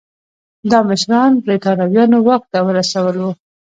دا مشران برېټانویانو واک ته ورسول وو.